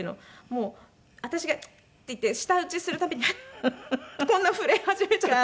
もう私が「チッ！」っていって舌打ちする度に「えっ？」ってこんな震え始めちゃったので。